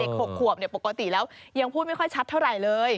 ๖ขวบปกติแล้วยังพูดไม่ค่อยชัดเท่าไหร่เลย